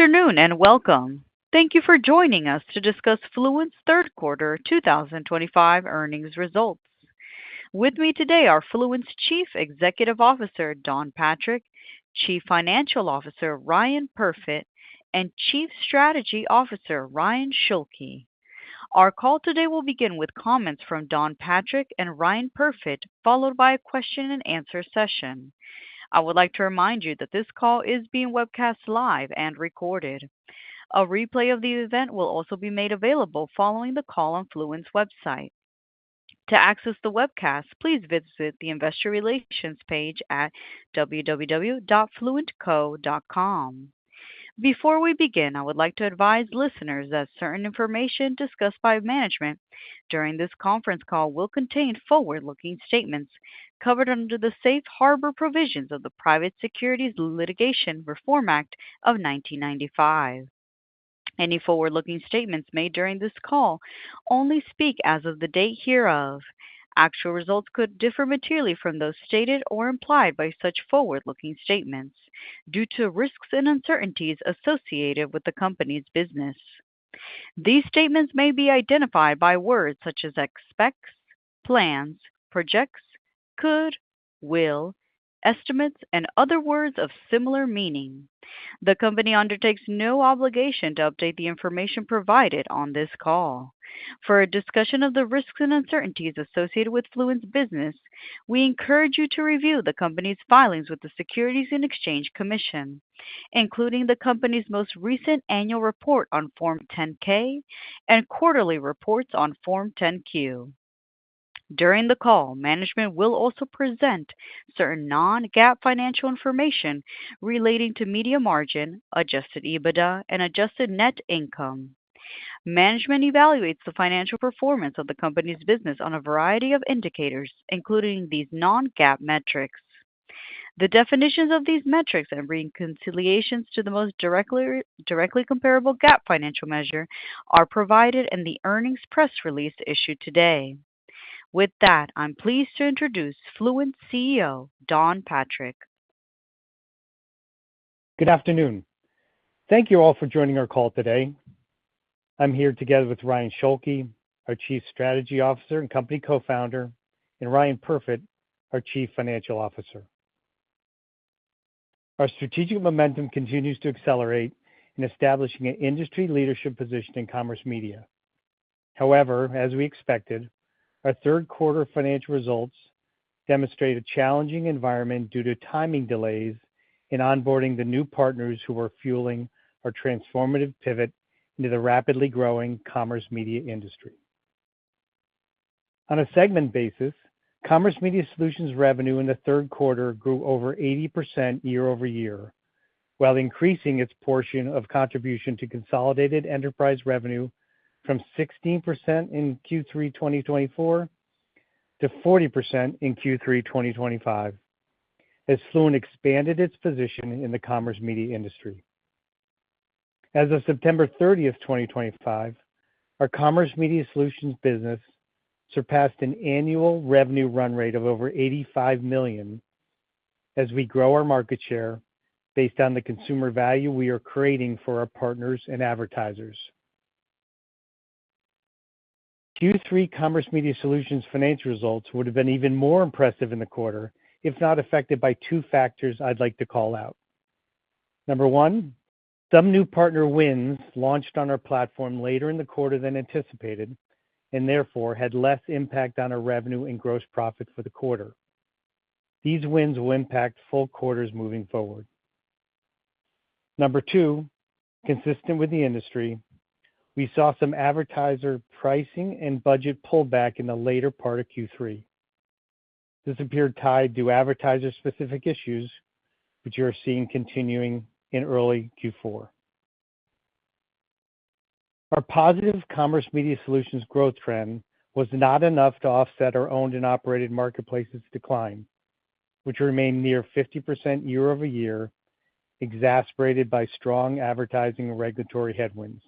Afternoon and welcome. Thank you for joining us to discuss Fluent's third quarter 2025 earnings results. With me today are Fluent's Chief Executive Officer, Don Patrick, Chief Financial Officer, Ryan Perfit, and Chief Strategy Officer, Ryan Schulke. Our call today will begin with comments from Don Patrick and Ryan Perfit, followed by a question-and-answer session. I would like to remind you that this call is being webcast live and recorded. A replay of the event will also be made available following the call on Fluent's website. To access the webcast, please visit the investor relations page at www.fluentco.com. Before we begin, I would like to advise listeners that certain information discussed by management during this conference call will contain forward-looking statements covered under the safe harbor provisions of the Private Securities Litigation Reform Act of 1995. Any forward-looking statements made during this call only speak as of the date hereof. Actual results could differ materially from those stated or implied by such forward-looking statements due to risks and uncertainties associated with the company's business. These statements may be identified by words such as expects, plans, projects, could, will, estimates, and other words of similar meaning. The company undertakes no obligation to update the information provided on this call. For a discussion of the risks and uncertainties associated with Fluent's business, we encourage you to review the company's filings with the Securities and Exchange Commission, including the company's most recent annual report on Form 10-K and quarterly reports on Form 10-Q. During the call, management will also present certain non-GAAP financial information relating to media margin, adjusted EBITDA, and adjusted net income. Management evaluates the financial performance of the company's business on a variety of indicators, including these non-GAAP metrics. The definitions of these metrics and reconciliations to the most directly comparable GAAP financial measure are provided in the earnings press release issued today. With that, I'm pleased to introduce Fluent's CEO, Don Patrick. Good afternoon. Thank you all for joining our call today. I'm here together with Ryan Schulke, our Chief Strategy Officer and company co-founder, and Ryan Perfit, our Chief Financial Officer. Our strategic momentum continues to accelerate in establishing an industry leadership position in commerce media. However, as we expected, our third quarter financial results demonstrate a challenging environment due to timing delays in onboarding the new partners who are fueling our transformative pivot into the rapidly growing commerce media industry. On a segment basis, Commerce Media Solutions' revenue in the third quarter grew over 80% year over year, while increasing its portion of contribution to consolidated enterprise revenue from 16% in Q3 2023 to 40% in Q3 2024, as Fluent expanded its position in the commerce media industry. As of September 30, 2025, our Commerce Media Solutions business surpassed an annual revenue run rate of over $85 million as we grow our market share based on the consumer value we are creating for our partners and advertisers. Q3 Commerce Media Solutions' financial results would have been even more impressive in the quarter if not affected by two factors I'd like to call out. Number one, some new partner wins launched on our platform later in the quarter than anticipated and therefore had less impact on our revenue and gross profit for the quarter. These wins will impact full quarters moving forward. Number two, consistent with the industry, we saw some advertiser pricing and budget pullback in the later part of Q3. This appeared tied to advertiser-specific issues, which you're seeing continuing in early Q4. Our positive Commerce Media Solutions' growth trend was not enough to offset our owned and operated marketplaces' decline, which remained near 50% year over year, exacerbated by strong advertising and regulatory headwinds.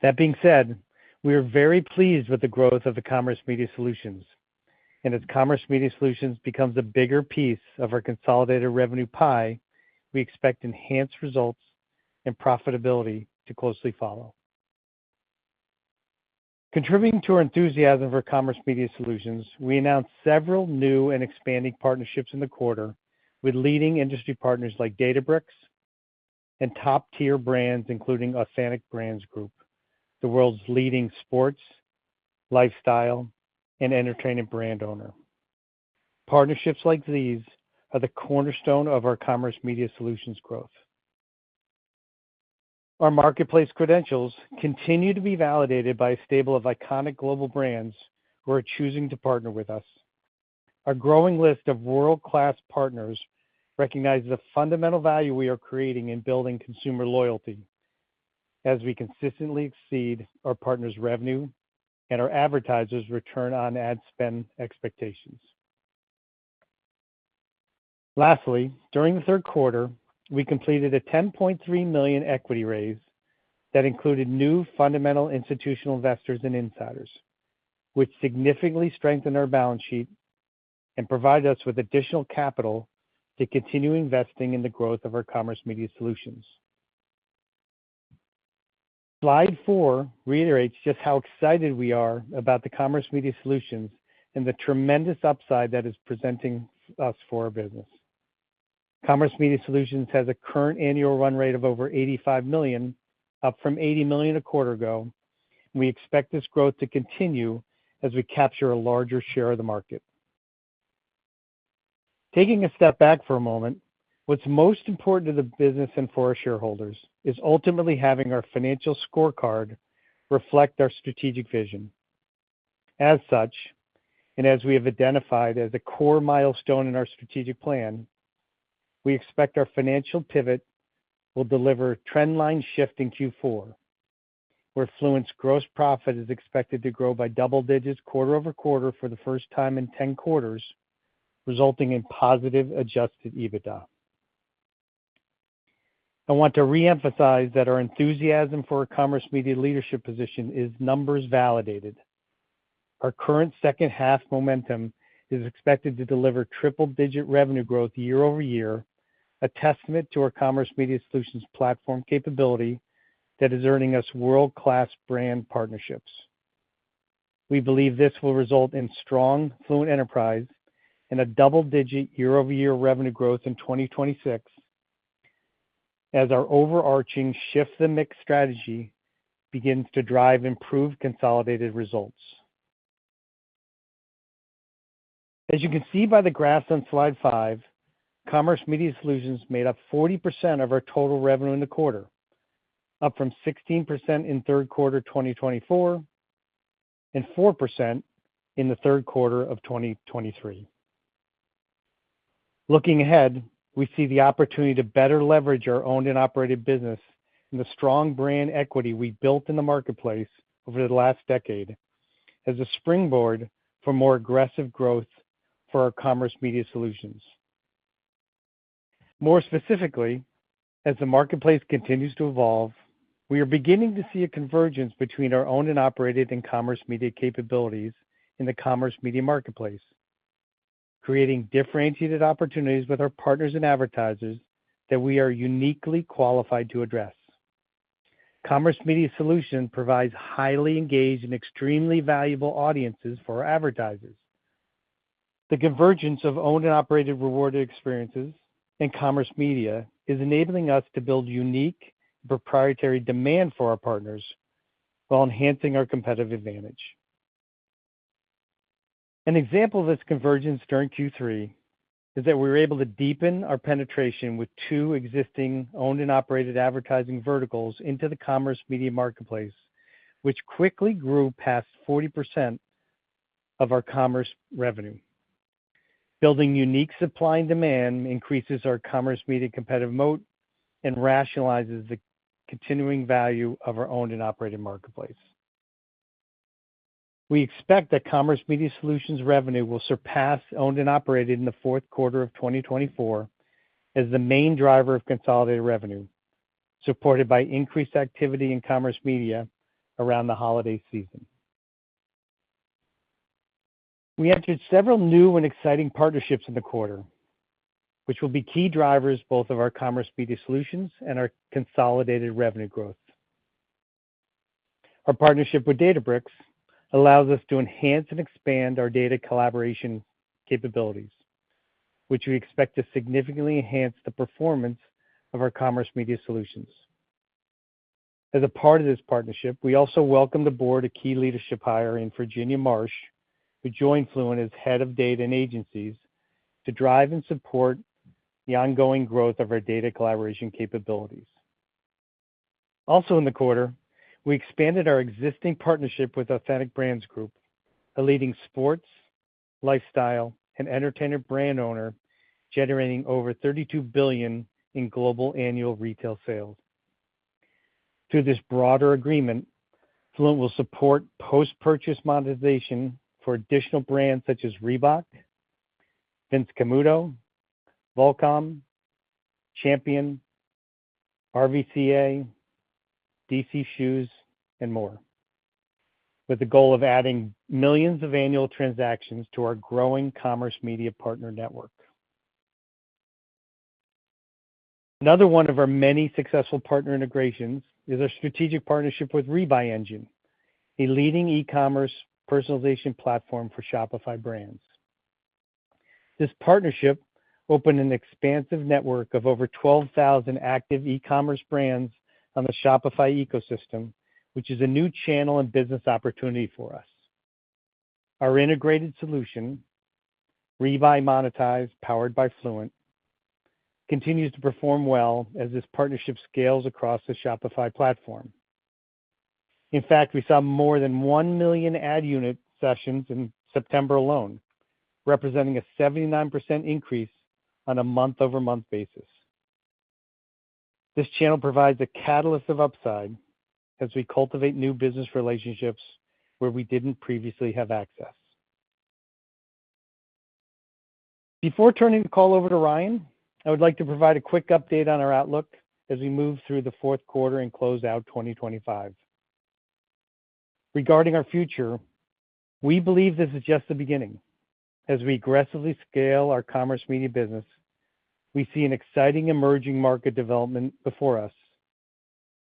That being said, we are very pleased with the growth of the Commerce Media Solutions. As Commerce Media Solutions becomes a bigger piece of our consolidated revenue pie, we expect enhanced results and profitability to closely follow. Contributing to our enthusiasm for Commerce Media Solutions, we announced several new and expanding partnerships in the quarter with leading industry partners like Databricks and top-tier brands, including Authentic Brands Group, the world's leading sports, lifestyle, and entertainment brand owner. Partnerships like these are the cornerstone of our Commerce Media Solutions' growth. Our marketplace credentials continue to be validated by a stable of iconic global brands who are choosing to partner with us. Our growing list of world-class partners recognizes the fundamental value we are creating in building consumer loyalty as we consistently exceed our partners' revenue and our advertisers' return on ad spend expectations. Lastly, during the third quarter, we completed a $10.3 million equity raise that included new fundamental institutional investors and insiders, which significantly strengthened our balance sheet and provided us with additional capital to continue investing in the growth of our Commerce Media Solutions. Slide four reiterates just how excited we are about the Commerce Media Solutions and the tremendous upside that is presenting us for our business. Commerce Media Solutions has a current annual run rate of over $85 million, up from $80 million a quarter ago. We expect this growth to continue as we capture a larger share of the market. Taking a step back for a moment, what's most important to the business and for our shareholders is ultimately having our financial scorecard reflect our strategic vision. As such, and as we have identified as a core milestone in our strategic plan, we expect our financial pivot will deliver a trendline shift in Q4, where Fluent's gross profit is expected to grow by double digits quarter over quarter for the first time in 10 quarters, resulting in positive adjusted EBITDA. I want to reemphasize that our enthusiasm for our Commerce Media leadership position is numbers validated. Our current second-half momentum is expected to deliver triple-digit revenue growth year over year, a testament to our Commerce Media Solutions platform capability that is earning us world-class brand partnerships. We believe this will result in strong Fluent Enterprise and a double-digit year-over-year revenue growth in 2026, as our overarching shift-to-mix strategy begins to drive improved consolidated results. As you can see by the graphs on slide five, Commerce Media Solutions made up 40% of our total revenue in the quarter, up from 16% in the third quarter 2024 and 4% in the third quarter of 2023. Looking ahead, we see the opportunity to better leverage our owned and operated business and the strong brand equity we built in the marketplace over the last decade as a springboard for more aggressive growth for our Commerce Media Solutions. More specifically, as the marketplace continues to evolve, we are beginning to see a convergence between our owned and operated Commerce Media capabilities in the Commerce Media marketplace, creating differentiated opportunities with our partners and advertisers that we are uniquely qualified to address. Commerce Media Solutions provides highly engaged and extremely valuable audiences for our advertisers. The convergence of owned and operated rewarded experiences in Commerce Media is enabling us to build unique proprietary demand for our partners while enhancing our competitive advantage. An example of this convergence during Q3 is that we were able to deepen our penetration with two existing owned and operated advertising verticals into the Commerce Media marketplace, which quickly grew past 40% of our commerce revenue. Building unique supply and demand increases our Commerce Media competitive moat and rationalizes the continuing value of our owned and operated marketplace. We expect that Commerce Media Solutions' revenue will surpass owned and operated in the fourth quarter of 2024 as the main driver of consolidated revenue, supported by increased activity in Commerce Media around the holiday season. We entered several new and exciting partnerships in the quarter, which will be key drivers both of our Commerce Media Solutions and our consolidated revenue growth. Our partnership with Databricks allows us to enhance and expand our data collaboration capabilities, which we expect to significantly enhance the performance of our Commerce Media Solutions. As a part of this partnership, we also welcomed aboard a key leadership hire in Virginia Marsh, who joined Fluent as Head of Data and Agencies to drive and support the ongoing growth of our data collaboration capabilities. Also in the quarter, we expanded our existing partnership with Authentic Brands Group, a leading sports, lifestyle, and entertainment brand owner generating over $32 billion in global annual retail sales. Through this broader agreement, Fluent will support post-purchase monetization for additional brands such as Reebok, Vince Camuto, Vulcon, Champion, RVCA, DC Shoes, and more, with the goal of adding millions of annual transactions to our growing Commerce Media partner network. Another one of our many successful partner integrations is our strategic partnership with Rebuy Engine, a leading e-commerce personalization platform for Shopify brands. This partnership opened an expansive network of over 12,000 active e-commerce brands on the Shopify ecosystem, which is a new channel and business opportunity for us. Our integrated solution, Rebuy Monetize, powered by Fluent, continues to perform well as this partnership scales across the Shopify platform. In fact, we saw more than 1 million ad unit sessions in September alone, representing a 79% increase on a month-over-month basis. This channel provides a catalyst of upside as we cultivate new business relationships where we didn't previously have access. Before turning the call over to Ryan, I would like to provide a quick update on our outlook as we move through the fourth quarter and close out 2025. Regarding our future, we believe this is just the beginning. As we aggressively scale our Commerce Media business, we see an exciting emerging market development before us.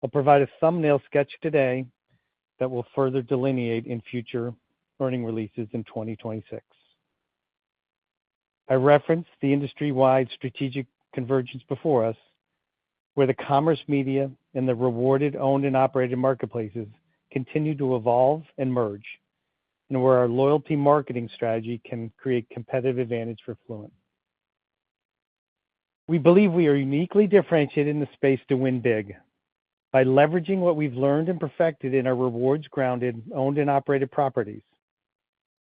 I'll provide a thumbnail sketch today that we will further delineate in future earnings releases in 2026. I referenced the industry-wide strategic convergence before us, where the Commerce Media and the rewarded owned and operated marketplaces continue to evolve and merge, and where our loyalty marketing strategy can create competitive advantage for Fluent. We believe we are uniquely differentiated in the space to win big by leveraging what we've learned and perfected in our rewards-grounded owned and operated properties: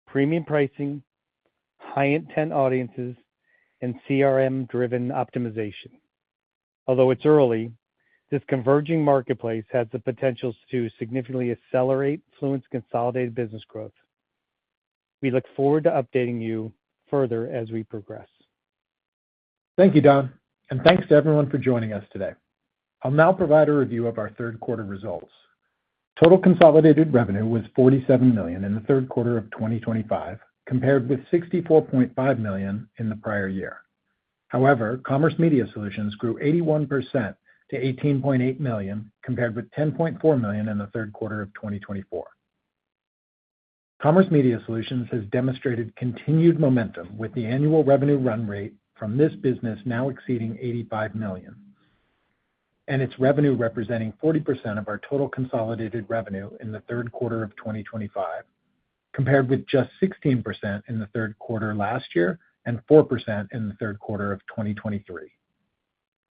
premium pricing, high-intent audiences, and CRM-driven optimization. Although it's early, this converging marketplace has the potential to significantly accelerate Fluent's consolidated business growth. We look forward to updating you further as we progress. Thank you, Don. Thanks to everyone for joining us today. I'll now provide a review of our third quarter results. Total consolidated revenue was $47 million in the third quarter of 2025, compared with $64.5 million in the prior year. However, Commerce Media Solutions grew 81% to $18.8 million, compared with $10.4 million in the third quarter of 2024. Commerce Media Solutions has demonstrated continued momentum with the annual revenue run rate from this business now exceeding $85 million, and its revenue representing 40% of our total consolidated revenue in the third quarter of 2025, compared with just 16% in the third quarter last year and 4% in the third quarter of 2023.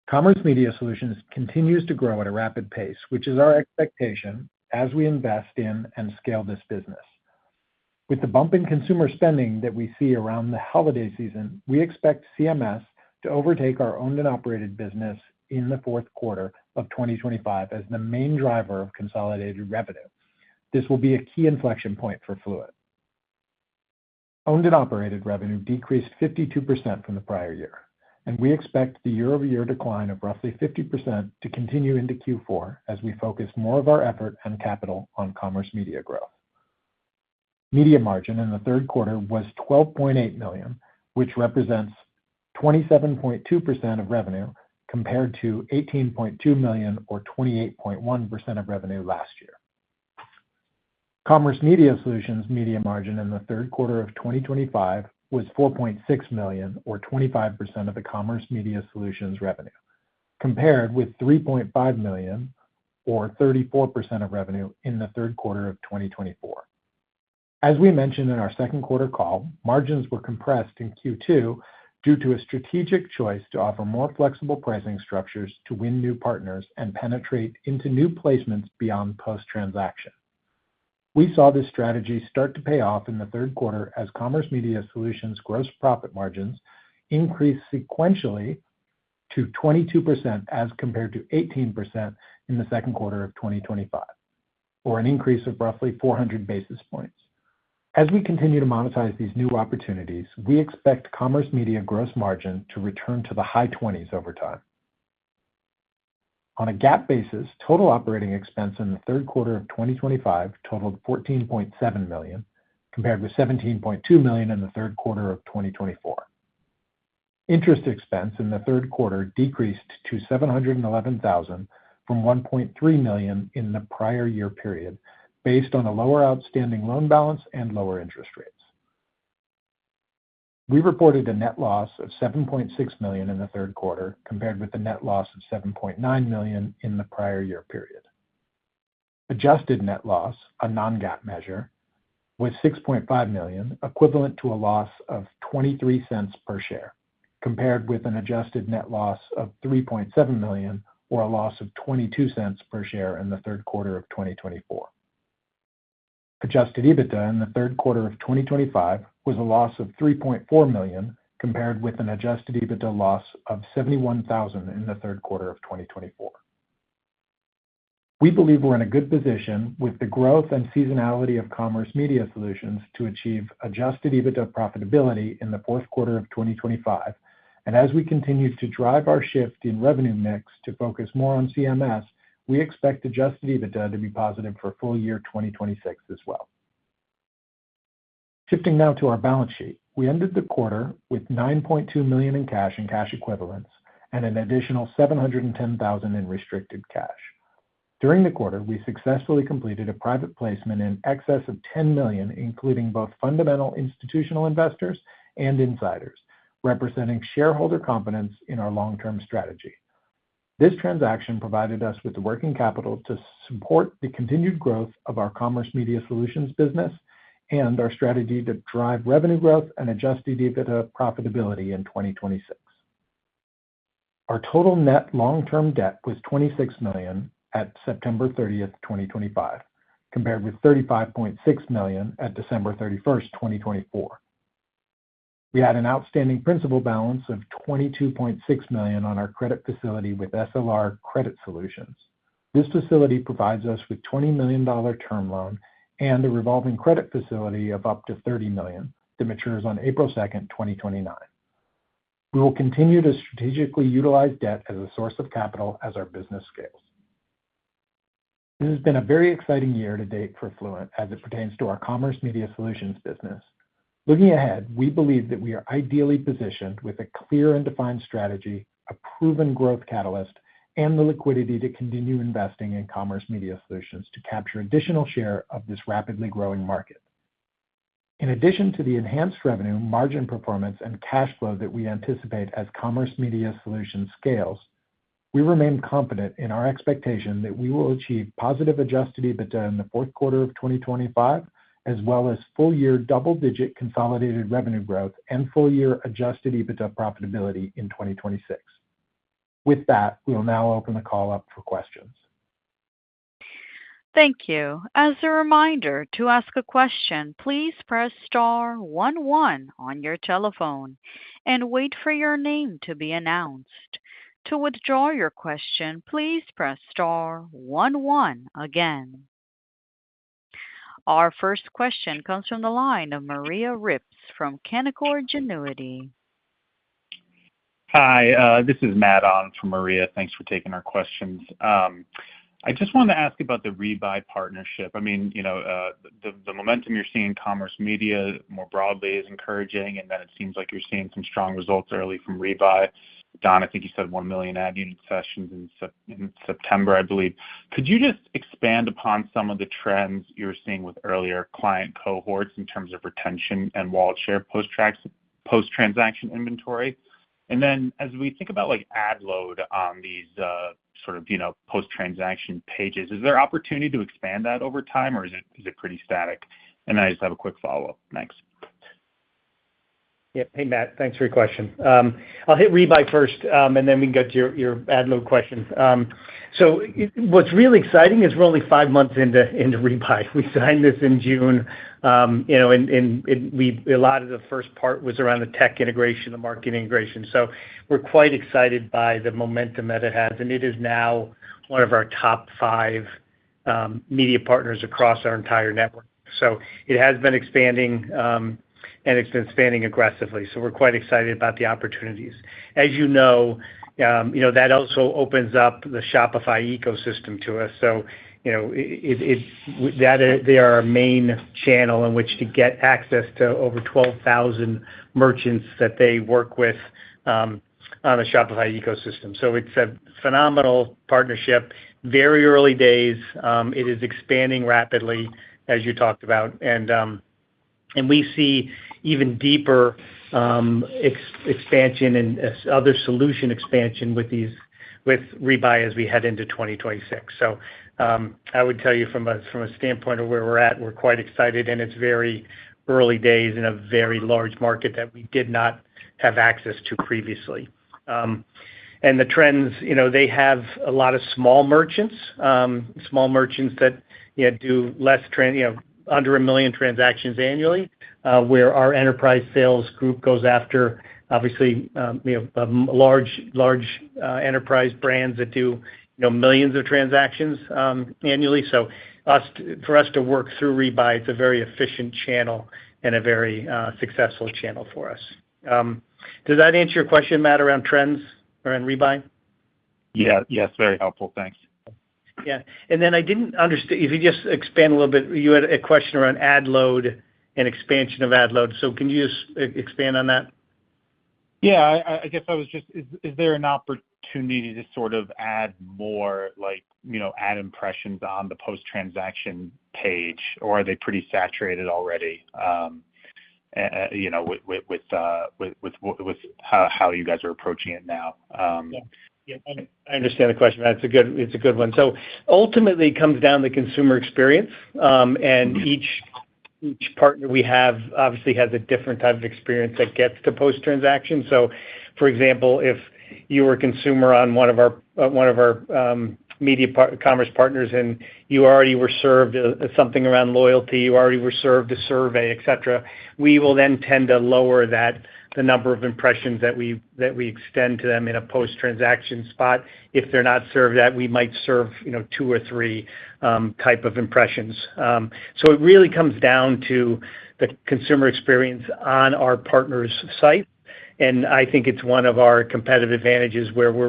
Commerce Media Solutions continues to grow at a rapid pace, which is our expectation as we invest in and scale this business. With the bump in consumer spending that we see around the holiday season, we expect CMS to overtake our owned and operated business in the fourth quarter of 2025 as the main driver of consolidated revenue. This will be a key inflection point for Fluent. Owned and operated revenue decreased 52% from the prior year, and we expect the year-over-year decline of roughly 50% to continue into Q4 as we focus more of our effort and capital on Commerce Media growth. Media margin in the third quarter was $12.8 million, which represents 27.2% of revenue compared to $18.2 million or 28.1% of revenue last year. Commerce Media Solutions' media margin in the third quarter of 2025 was $4.6 million, or 25% of the Commerce Media Solutions' revenue, compared with $3.5 million, or 34% of revenue in the third quarter of 2024. As we mentioned in our second quarter call, margins were compressed in Q2 due to a strategic choice to offer more flexible pricing structures to win new partners and penetrate into new placements beyond post-transaction. We saw this strategy *t to pay off in the third quarter as Commerce Media Solutions' gross profit margins increased sequentially to 22% as compared to 18% in the second quarter of 2025, or an increase of roughly 400 basis points. As we continue to monetize these new opportunities, we expect Commerce Media gross margin to return to the high 20s over time. On a GAAP basis, total operating expense in the third quarter of 2025 totaled $14.7 million, compared with $17.2 million in the third quarter of 2024. Interest expense in the third quarter decreased to $711,000 from $1.3 million in the prior year period, based on a lower outstanding loan balance and lower interest rates. We reported a net loss of $7.6 million in the third quarter, compared with the net loss of $7.9 million in the prior year period. Adjusted net loss, a non-GAAP measure, was $6.5 million, equivalent to a loss of $0.23 per share, compared with an adjusted net loss of $3.7 million, or a loss of $0.22 per share in the third quarter of 2024. Adjusted EBITDA in the third quarter of 2025 was a loss of $3.4 million, compared with an adjusted EBITDA loss of $71,000 in the third quarter of 2024. We believe we're in a good position with the growth and seasonality of Commerce Media Solutions to achieve adjusted EBITDA profitability in the fourth quarter of 2025. As we continue to drive our shift in revenue mix to focus more on CMS, we expect adjusted EBITDA to be positive for full year 2026 as well. Shifting now to our balance sheet, we ended the quarter with $9.2 million in cash and cash equivalents, and an additional $710,000 in restricted cash. During the quarter, we successfully completed a private placement in excess of $10 million, including both fundamental institutional investors and insiders, representing shareholder confidence in our long-term strategy. This transaction provided us with the working capital to support the continued growth of our Commerce Media Solutions business and our strategy to drive revenue growth and adjusted EBITDA profitability in 2026. Our total net long-term debt was $26 million at September 30, 2025, compared with $35.6 million at December 31, 2024. We had an outstanding principal balance of $22.6 million on our credit facility with SLR Credit Solutions. This facility provides us with a $20 million term loan and a revolving credit facility of up to $30 million that matures on April 2, 2029. We will continue to strategically utilize debt as a source of capital as our business scales. This has been a very exciting year to date for Fluent as it pertains to our Commerce Media Solutions business. Looking ahead, we believe that we are ideally positioned with a clear and defined strategy, a proven growth catalyst, and the liquidity to continue investing in Commerce Media Solutions to capture additional share of this rapidly growing market. In addition to the enhanced revenue, margin performance, and cash flow that we anticipate as Commerce Media Solutions scales, we remain confident in our expectation that we will achieve positive adjusted EBITDA in the fourth quarter of 2025, as well as full-year double-digit consolidated revenue growth and full-year adjusted EBITDA profitability in 2026. With that, we'll now open the call up for questions. Thank you. As a reminder, to ask a question, please press * 11 on your telephone and wait for your name to be announced. To withdraw your question, please press * 11 again. Our first question comes from the line of Maria Ripps from Canaccord Genuity. Hi, this is Matt on from Maria. Thanks for taking our questions. I just wanted to ask about the Rebuy partnership. I mean, the momentum you're seeing in Commerce Media more broadly is encouraging, and then it seems like you're seeing some strong results early from Rebuy. Don, I think you said 1 million ad unit sessions in September, I believe. Could you just expand upon some of the trends you're seeing with earlier client cohorts in terms of retention and wallet share post-transaction inventory? As we think about ad load on these sort of post-transaction pages, is there an opportunity to expand that over time, or is it pretty static? I just have a quick follow-up next. Yeah. Hey, Matt. Thanks for your question. I'll hit Rebuy first, and then we can go to your ad load question. What's really exciting is we're only five months into Rebuy. We signed this in June, and a lot of the first part was around the tech integration, the market integration. We are quite excited by the momentum that it has. It is now one of our top five media partners across our entire network. It has been expanding, and it has been expanding aggressively. We are quite excited about the opportunities. As you know, that also opens up the Shopify ecosystem to us. They are our main channel in which to get access to over 12,000 merchants that they work with on the Shopify ecosystem. It is a phenomenal partnership. Very early days. It is expanding rapidly, as you talked about. We see even deeper expansion and other solution expansion with Rebuy as we head into 2026. I would tell you from a standpoint of where we're at, we're quite excited, and it's very early days in a very large market that we did not have access to previously. The trends, they have a lot of small merchants, small merchants that do less, under a million transactions annually, where our enterprise sales group goes after, obviously, large enterprise brands that do millions of transactions annually. For us to work through Rebuy, it's a very efficient channel and a very successful channel for us. Does that answer your question, Matt, around trends around Rebuy? Yeah. Yes. Very helpful. Thanks. Yeah. I didn't understand if you just expand a little bit. You had a question around ad load and expansion of ad load. Can you just expand on that? I guess I was just, is there an opportunity to sort of add more ad impressions on the post-transaction page, or are they pretty saturated already with how you guys are approaching it now? Yeah. Yeah. I understand the question, Matt. It's a good one. Ultimately, it comes down to consumer experience. Each partner we have obviously has a different type of experience that gets to post-transaction. For example, if you were a consumer on one of our media commerce partners and you already were served something around loyalty, you already were served a survey, etc., we will then tend to lower the number of impressions that we extend to them in a post-transaction spot. If they're not served that, we might serve two or three types of impressions. It really comes down to the consumer experience on our partner's site. I think it's one of our competitive advantages where we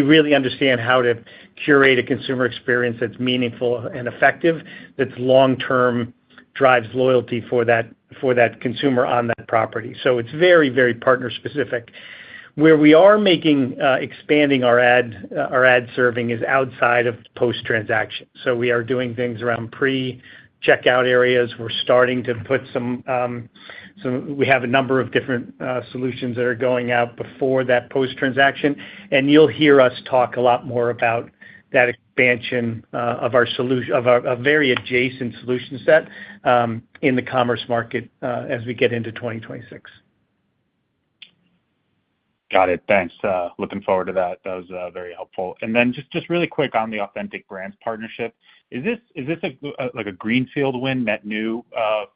really understand how to curate a consumer experience that's meaningful and effective, that's long-term, drives loyalty for that consumer on that property. It is very, very partner-specific. We are expanding our ad serving outside of post-transaction. We are doing things around pre-checkout areas. We're starting to put some—we have a number of different solutions that are going out before that post-transaction. You'll hear us talk a lot more about that expansion of our very adjacent solution set in the commerce market as we get into 2026. Got it. Thanks. Looking forward to that. That was very helpful. Just really quick on the Authentic Brands Group partnership. Is this like a greenfield win that's new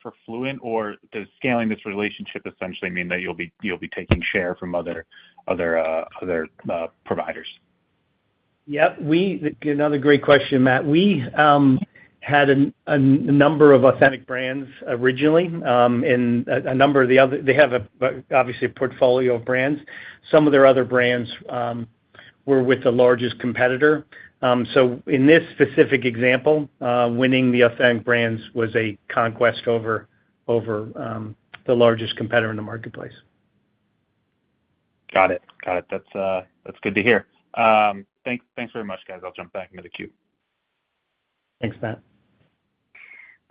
for Fluent, or does scaling this relationship essentially mean that you'll be taking share from other providers? Yep. Another great question, Matt. We had a number of Authentic Brands originally, and a number of the other, they have obviously a portfolio of brands. Some of their other brands were with the largest competitor. In this specific example, winning the Authentic Brands was a conquest over the largest competitor in the marketplace. Got it. Got it. That's good to hear. Thanks very much, guys. I'll jump back into the queue. Thanks, Matt.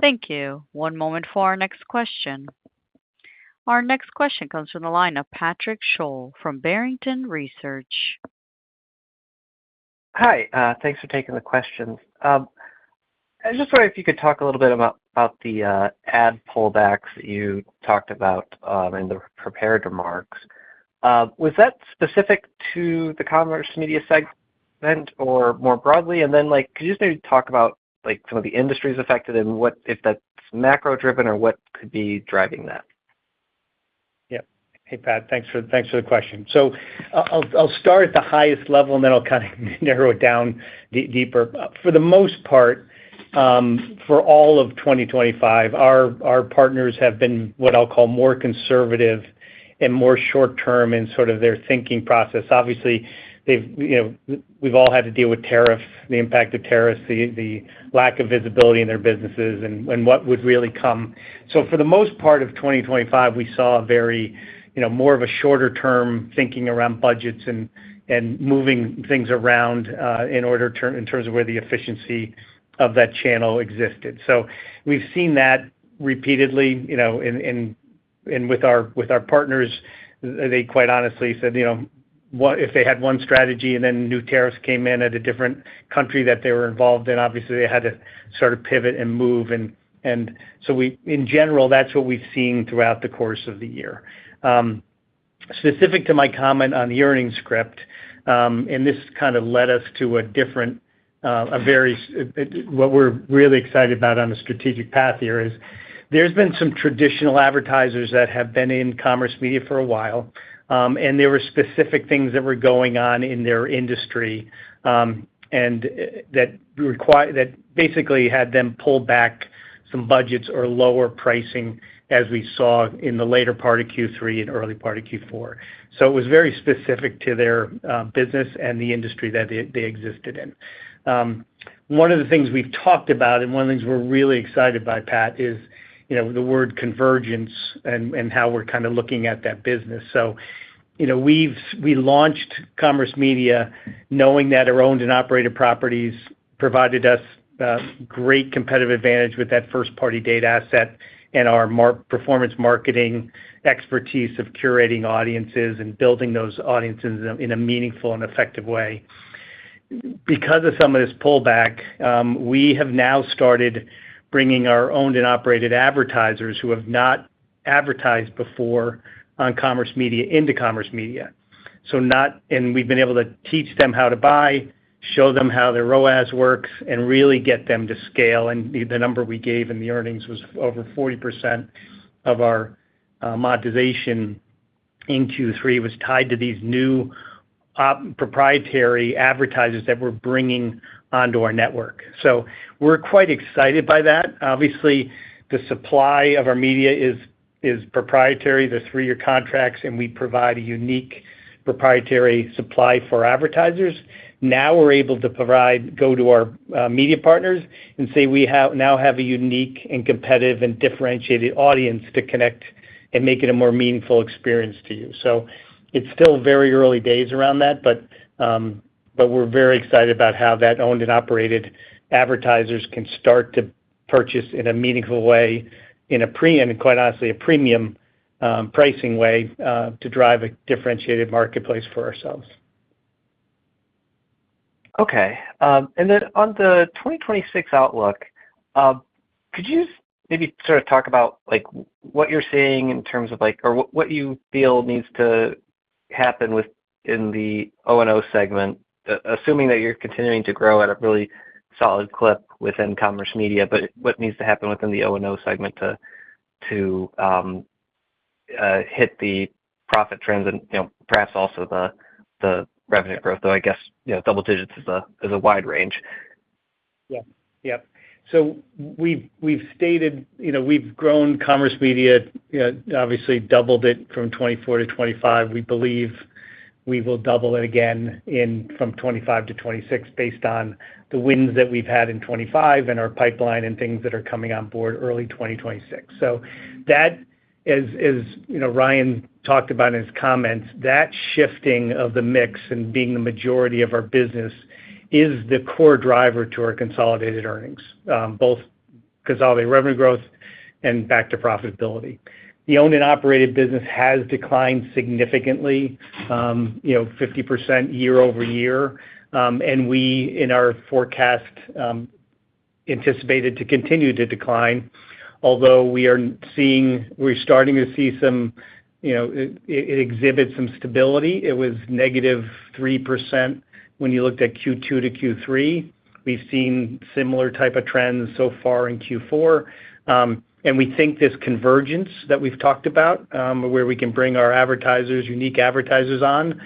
Thank you. One moment for our next question. Our next question comes from the line of Patrick Sholl from Barrington Research. Hi. Thanks for taking the question. I just wondered if you could talk a little bit about the ad pullbacks that you talked about in the prepared remarks. Was that specific to the Commerce Media segment or more broadly? Could you just maybe talk about some of the industries affected and if that's macro-driven or what could be driving that? Yeah. Hey, Pat. Thanks for the question. I'll start at the highest level, and then I'll kind of narrow it down deeper. For the most part, for all of 2025, our partners have been what I'll call more conservative and more short-term in sort of their thinking process. Obviously, we've all had to deal with tariffs, the impact of tariffs, the lack of visibility in their businesses, and what would really come. For the most part of 2025, we saw more of a shorter-term thinking around budgets and moving things around in terms of where the efficiency of that channel existed. We've seen that repeatedly. With our partners, they quite honestly said if they had one strategy and then new tariffs came in at a different country that they were involved in, obviously, they had to sort of pivot and move. In general, that's what we've seen throughout the course of the year. Specific to my comment on the earnings script, and this kind of led us to a very, what we're really excited about on the strategic path here, is there's been some traditional advertisers that have been in commerce media for a while, and there were specific things that were going on in their industry and that basically had them pull back some budgets or lower pricing as we saw in the later part of Q3 and early part of Q4. It was very specific to their business and the industry that they existed in. One of the things we've talked about, and one of the things we're really excited by, Pat, is the word convergence and how we're kind of looking at that business. We launched commerce media knowing that our owned and operated properties provided us great competitive advantage with that first-party data asset and our performance marketing expertise of curating audiences and building those audiences in a meaningful and effective way. Because of some of this pullback, we have now started bringing our owned and operated advertisers who have not advertised before on commerce media into commerce media. We've been able to teach them how to buy, show them how their ROAS works, and really get them to scale. The number we gave in the earnings was over 40% of our monetization in Q3 was tied to these new proprietary advertisers that we're bringing onto our network. We're quite excited by that. Obviously, the supply of our media is proprietary. There are three-year contracts, and we provide a unique proprietary supply for advertisers. Now we're able to go to our media partners and say, "We now have a unique and competitive and differentiated audience to connect and make it a more meaningful experience to you." It's still very early days around that, but we're very excited about how that owned and operated advertisers can start to purchase in a meaningful way and, quite honestly, a premium pricing way to drive a differentiated marketplace for ourselves. Okay. On the 2026 outlook, could you maybe sort of talk about what you are seeing in terms of or what you feel needs to happen in the O&O segment, assuming that you are continuing to grow at a really solid clip within commerce media, but what needs to happen within the O&O segment to hit the profit trends and perhaps also the revenue growth? Though I guess double digits is a wide range. Yeah. Yep. We have stated we have grown commerce media, obviously doubled it from 2024 to 2025. We believe we will double it again from 2025 to 2026 based on the wins that we have had in 2025 and our pipeline and things that are coming on board early 2026. That, as Ryan talked about in his comments, that shifting of the mix and being the majority of our business is the core driver to our consolidated earnings, both because of all the revenue growth and back to profitability. The owned and operated business has declined significantly, 50% year over year. And we, in our forecast, anticipated to continue to decline, although we are starting to see some it exhibits some stability. It was negative 3% when you looked at Q2 to Q3. We've seen similar type of trends so far in Q4. We think this convergence that we've talked about, where we can bring our advertisers, unique advertisers on,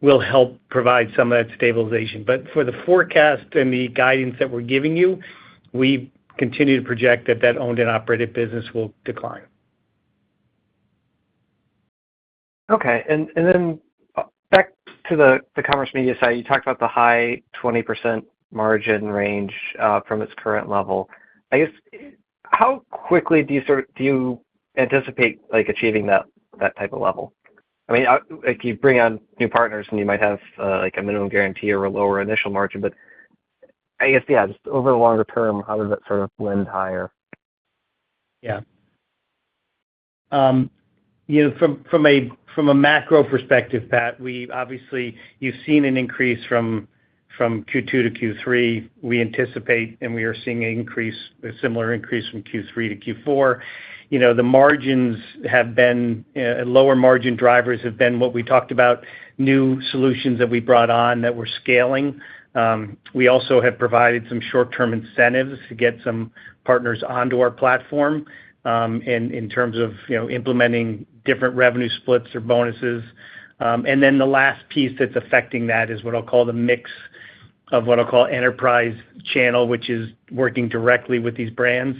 will help provide some of that stabilization. For the forecast and the guidance that we're giving you, we continue to project that that owned and operated business will decline. Okay. Then back to the commerce media side, you talked about the high 20% margin range from its current level. I guess how quickly do you anticipate achieving that type of level? I mean, you bring on new partners, and you might have a minimum guarantee or a lower initial margin. I guess, yeah, just over the longer term, how does that sort of lend higher? Yeah. From a macro perspective, Pat, we obviously you've seen an increase from Q2 to Q3. We anticipate and we are seeing a similar increase from Q3 to Q4. The margins have been lower. Margin drivers have been what we talked about, new solutions that we brought on that we're scaling. We also have provided some short-term incentives to get some partners onto our platform in terms of implementing different revenue splits or bonuses. The last piece that's affecting that is what I'll call the mix of what I'll call enterprise channel, which is working directly with these brands.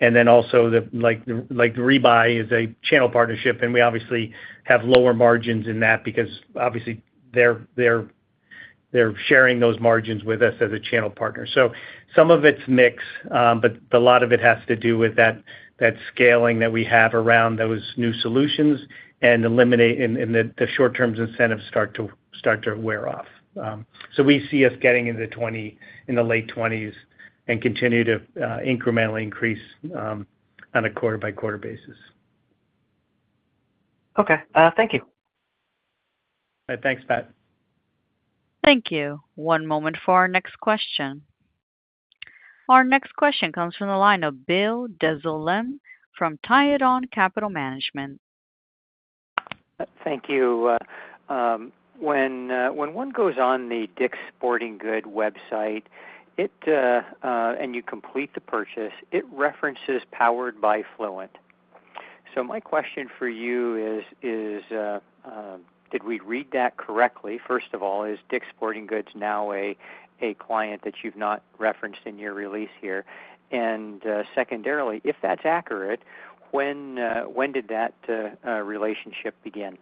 Also, Rebuy is a channel partnership, and we obviously have lower margins in that because obviously they're sharing those margins with us as a channel partner. Some of it's mix, but a lot of it has to do with that scaling that we have around those new solutions and the short-term incentives start to wear off. We see us getting into the late 20s and continue to incrementally increase on a quarter-by-quarter basis. Okay. Thank you. Thanks, Pat. Thank you. One moment for our next question. Our next question comes from the line of Bill Dezellem from Tieton Capital Management. Thank you. When one goes on the Dick's Sporting Goods website and you complete the purchase, it references Powered by Fluent. So my question for you is, did we read that correctly? First of all, is Dick's Sporting Goods now a client that you've not referenced in your release here? And secondarily, if that's accurate, when did that relationship begin?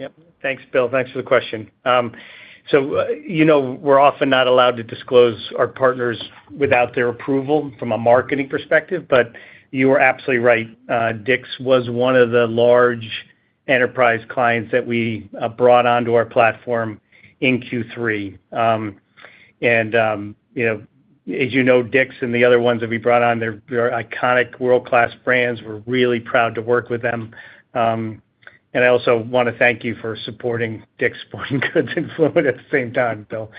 Yep. Thanks, Bill. Thanks for the question. So we're often not allowed to disclose our partners without their approval from a marketing perspective, but you are absolutely right. Dick's was one of the large enterprise clients that we brought onto our platform in Q3. And as you know, Dick's and the other ones that we brought on, they're iconic world-class brands. We're really proud to work with them. I also want to thank you for supporting Dick's Sporting Goods and Fluent at the same time, Bill.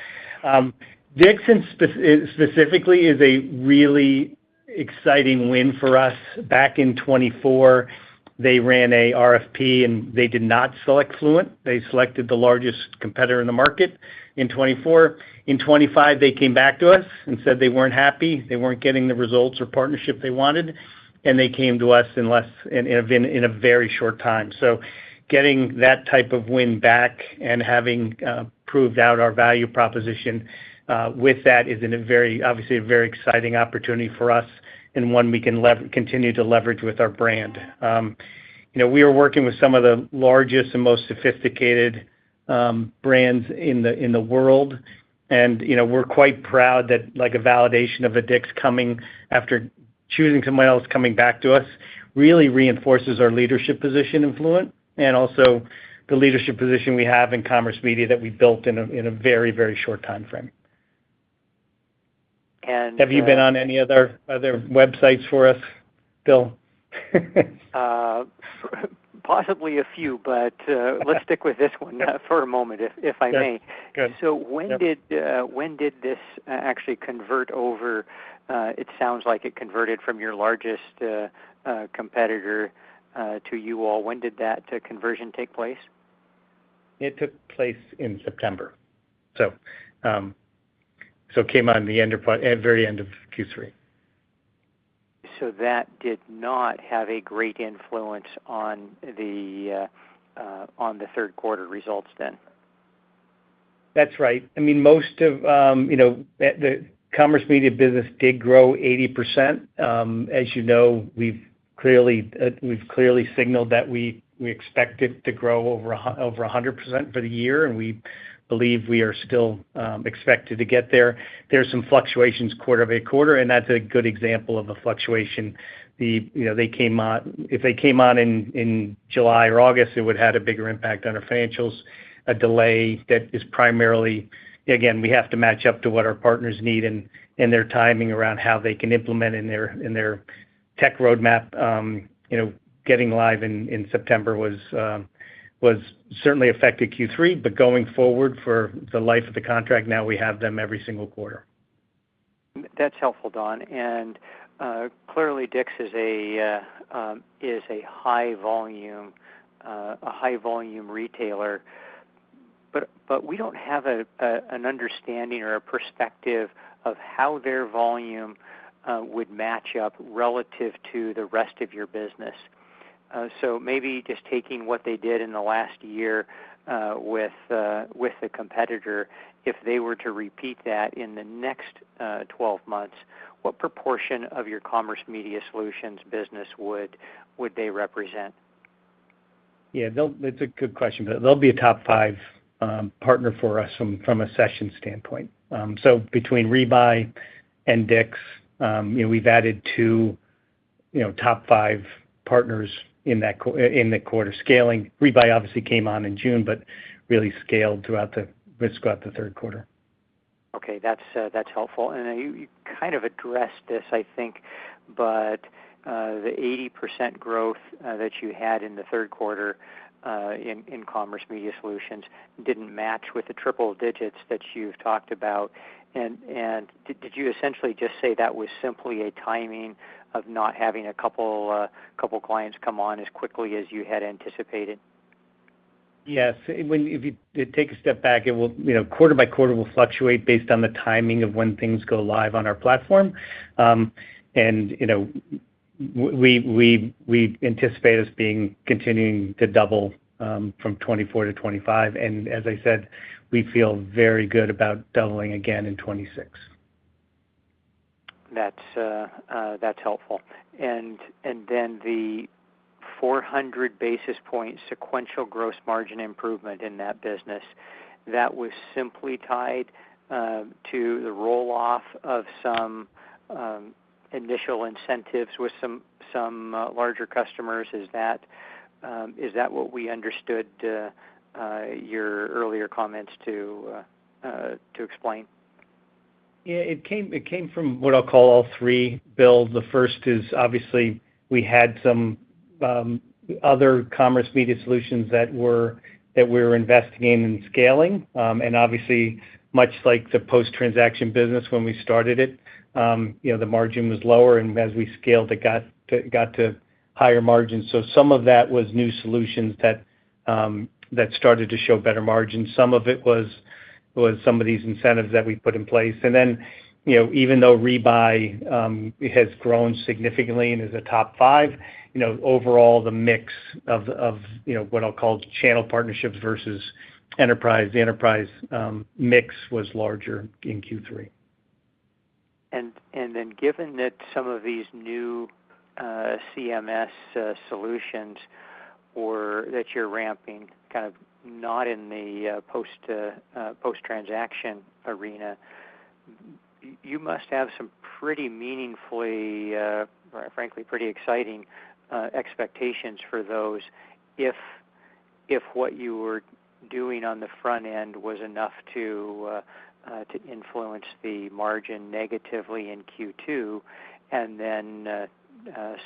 Dick's specifically is a really exciting win for us. Back in 2024, they ran an RFP, and they did not select Fluent. They selected the largest competitor in the market in 2024. In 2025, they came back to us and said they were not happy. They were not getting the results or partnership they wanted. They came to us in a very short time. Getting that type of win back and having proved out our value proposition with that is obviously a very exciting opportunity for us and one we can continue to leverage with our brand. We are working with some of the largest and most sophisticated brands in the world. We're quite proud that a validation of a Dick's coming after choosing someone else, coming back to us, really reinforces our leadership position in Fluent and also the leadership position we have in commerce media that we built in a very, very short timeframe. Have you been on any other websites for us, Bill? Possibly a few, but let's stick with this one for a moment, if I may. When did this actually convert over? It sounds like it converted from your largest competitor to you all. When did that conversion take place? It took place in September. It came on the very end of Q3. That did not have a great influence on the third-quarter results then? That's right. I mean, most of the commerce media business did grow 80%. As you know, we've clearly signaled that we expect it to grow over 100% for the year, and we believe we are still expected to get there. There are some fluctuations quarter by quarter, and that's a good example of a fluctuation. If they came on in July or August, it would have had a bigger impact on our financials, a delay that is primarily again, we have to match up to what our partners need and their timing around how they can implement in their tech roadmap. Getting live in September certainly affected Q3, but going forward for the life of the contract, now we have them every single quarter. That's helpful, Don. Clearly, Dick's is a high-volume retailer, but we don't have an understanding or a perspective of how their volume would match up relative to the rest of your business. Maybe just taking what they did in the last year with a competitor, if they were to repeat that in the next 12 months, what proportion of your Commerce Media Solutions business would they represent? Yeah. That's a good question, but they'll be a top five partner for us from a session standpoint. Between Rebuy and Dick's, we've added two top five partners in the quarter scaling. Rebuy obviously came on in June, but really scaled throughout the third quarter. Okay. That's helpful. You kind of addressed this, I think, but the 80% growth that you had in the third quarter in Commerce Media Solutions didn't match with the triple digits that you've talked about. Did you essentially just say that was simply a timing of not having a couple of clients come on as quickly as you had anticipated? Yes. If you take a step back, quarter by quarter will fluctuate based on the timing of when things go live on our platform. We anticipate us continuing to double from 2024 to 2025. As I said, we feel very good about doubling again in 2026. That is helpful. The 400 basis point sequential gross margin improvement in that business, that was simply tied to the roll-off of some initial incentives with some larger customers. Is that what we understood your earlier comments to explain? Yeah. It came from what I will call all three, Bill. The first is obviously we had some other Commerce Media Solutions that we were investing in and scaling. Much like the post-transaction business when we started it, the margin was lower, and as we scaled, it got to higher margins. Some of that was new solutions that started to show better margins. Some of it was some of these incentives that we put in place. Even though Rebuy has grown significantly and is a top five, overall, the mix of what I'll call channel partnerships versus enterprise, the enterprise mix was larger in Q3. Given that some of these new CMS solutions that you're ramping kind of not in the post-transaction arena, you must have some pretty meaningfully, frankly, pretty exciting expectations for those if what you were doing on the front end was enough to influence the margin negatively in Q2 and then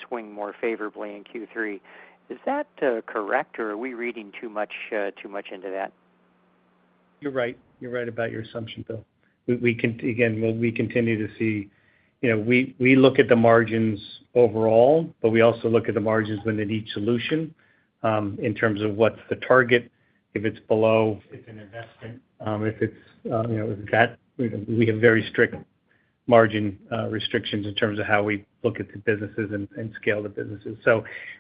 swing more favorably in Q3. Is that correct, or are we reading too much into that? You're right. You're right about your assumption, Bill. Again, will we continue to see we look at the margins overall, but we also look at the margins within each solution in terms of what's the target. If it's below, it's an investment. If it's at, we have very strict margin restrictions in terms of how we look at the businesses and scale the businesses.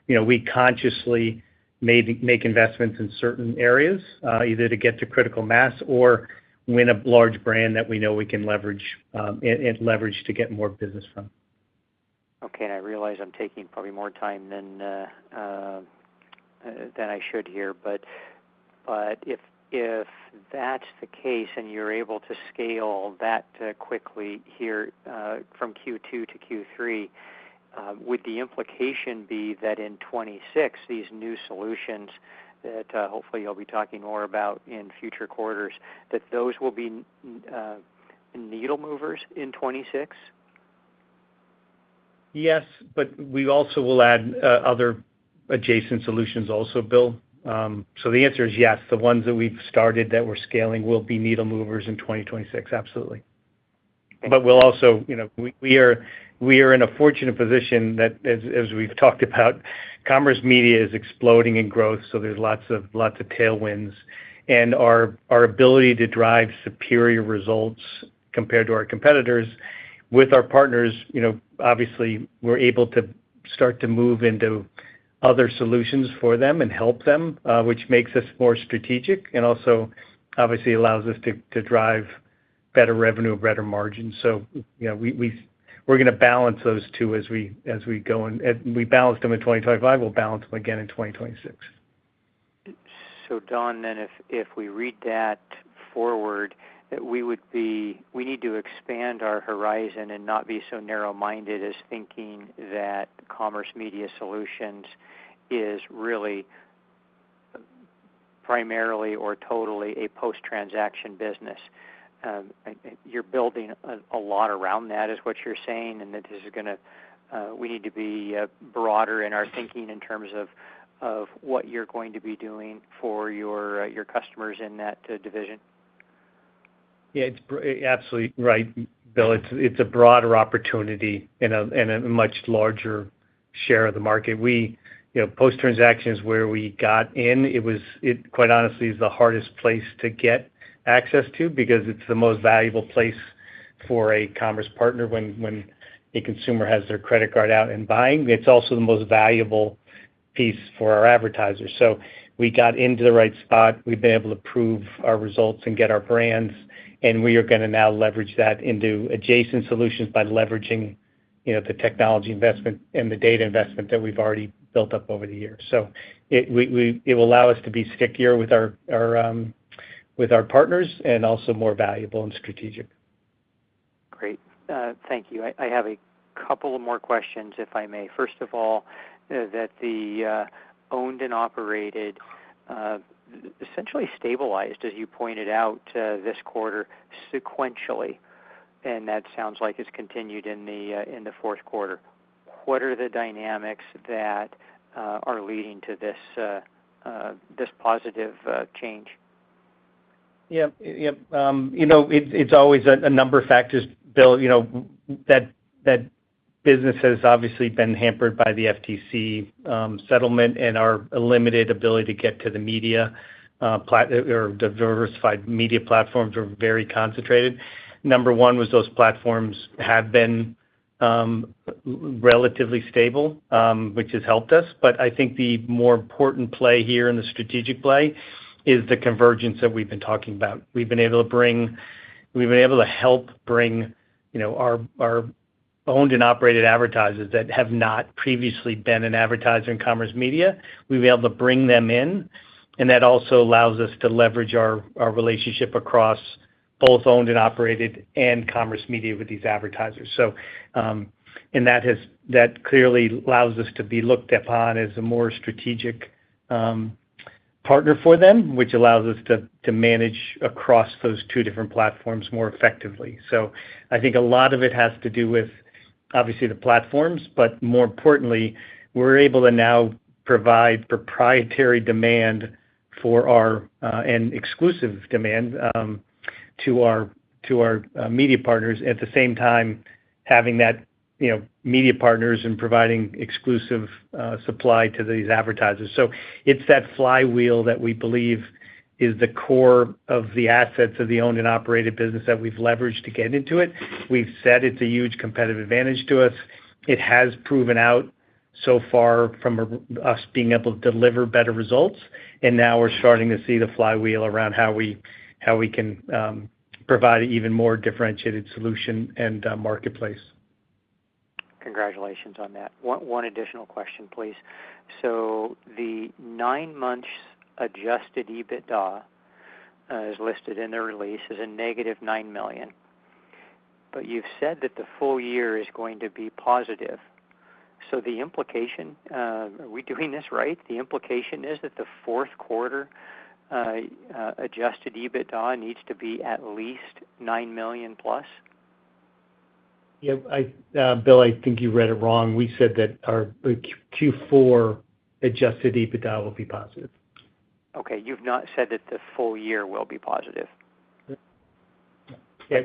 We consciously make investments in certain areas, either to get to critical mass or win a large brand that we know we can leverage to get more business from. Okay. I realize I'm taking probably more time than I should here, but if that's the case and you're able to scale that quickly here from Q2 to Q3, would the implication be that in 2026, these new solutions that hopefully you'll be talking more about in future quarters, that those will be needle movers in 2026? Yes, but we also will add other adjacent solutions also, Bill. The answer is yes. The ones that we've started that we're scaling will be needle movers in 2026. Absolutely. We are in a fortunate position that, as we've talked about, commerce media is exploding in growth, so there's lots of tailwinds. Our ability to drive superior results compared to our competitors with our partners, obviously, we're able to start to move into other solutions for them and help them, which makes us more strategic and also obviously allows us to drive better revenue, better margins. We're going to balance those two as we go and we balanced them in 2025. We'll balance them again in 2026. Don, then if we read that forward, we need to expand our horizon and not be so narrow-minded as thinking that Commerce Media Solutions is really primarily or totally a post-transaction business. You're building a lot around that, is what you're saying, and that this is going to we need to be broader in our thinking in terms of what you're going to be doing for your customers in that division. Yeah. Absolutely right, Bill. It's a broader opportunity and a much larger share of the market. Post-transaction is where we got in. It was, quite honestly, the hardest place to get access to because it's the most valuable place for a commerce partner when a consumer has their credit card out and buying. It's also the most valuable piece for our advertisers. We got into the right spot. We've been able to prove our results and get our brands, and we are going to now leverage that into adjacent solutions by leveraging the technology investment and the data investment that we've already built up over the years. It will allow us to be stickier with our partners and also more valuable and strategic. Great. Thank you. I have a couple more questions, if I may. First of all, that the owned and operated essentially stabilized, as you pointed out this quarter, sequentially, and that sounds like it's continued in the fourth quarter. What are the dynamics that are leading to this positive change? Yeah. It's always a number of factors, Bill, that business has obviously been hampered by the FTC settlement and our limited ability to get to the media or the diversified media platforms are very concentrated. Number one was those platforms have been relatively stable, which has helped us. I think the more important play here in the strategic play is the convergence that we've been talking about. We've been able to help bring our owned and operated advertisers that have not previously been an advertiser in commerce media. We've been able to bring them in, and that also allows us to leverage our relationship across both owned and operated and commerce media with these advertisers. That clearly allows us to be looked upon as a more strategic partner for them, which allows us to manage across those two different platforms more effectively. I think a lot of it has to do with, obviously, the platforms, but more importantly, we're able to now provide proprietary demand for our and exclusive demand to our media partners, at the same time having that media partners and providing exclusive supply to these advertisers. It's that flywheel that we believe is the core of the assets of the owned and operated business that we've leveraged to get into it. We've said it's a huge competitive advantage to us. It has proven out so far from us being able to deliver better results, and now we're starting to see the flywheel around how we can provide an even more differentiated solution and marketplace. Congratulations on that. One additional question, please. The nine-months adjusted EBITDA is listed in the release as a negative $9 million, but you've said that the full year is going to be positive. The implication, are we doing this right? The implication is that the fourth quarter adjusted EBITDA needs to be at least $9 million plus? Yeah. Bill, I think you read it wrong. We said that our Q4 adjusted EBITDA will be positive. Okay. You've not said that the full year will be positive.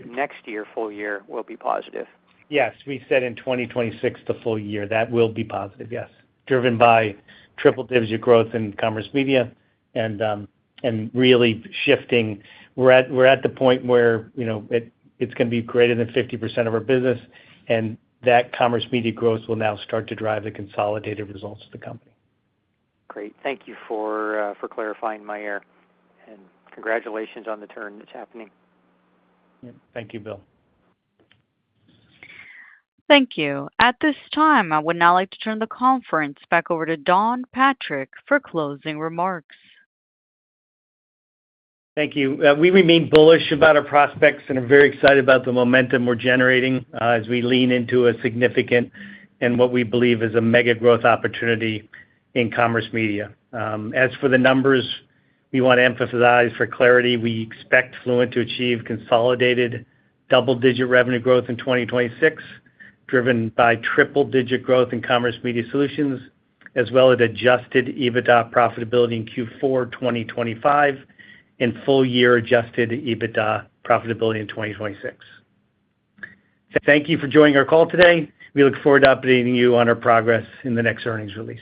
Next year, full year will be positive. Yes. We said in 2026, the full year, that will be positive, yes, driven by triple-digit growth in commerce media and really shifting. We're at the point where it's going to be greater than 50% of our business, and that commerce media growth will now start to drive the consolidated results of the company. Great. Thank you for clarifying my ear, and congratulations on the turn that's happening. Thank you, Bill. Thank you. At this time, I would now like to turn the conference back over to Don Patrick for closing remarks. Thank you. We remain bullish about our prospects and are very excited about the momentum we're generating as we lean into a significant and what we believe is a mega growth opportunity in commerce media. As for the numbers, we want to emphasize for clarity, we expect Fluent to achieve consolidated double-digit revenue growth in 2026, driven by triple-digit growth in Commerce Media Solutions, as well as adjusted EBITDA profitability in Q4 2025 and full-year adjusted EBITDA profitability in 2026. Thank you for joining our call today. We look forward to updating you on our progress in the next earnings release.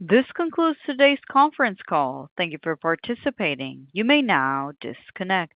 This concludes today's conference call. Thank you for participating. You may now disconnect.